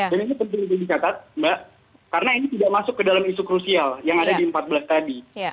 dan ini penting juga dikatakan mbak karena ini tidak masuk ke dalam isu krusial yang ada di empat belas tadi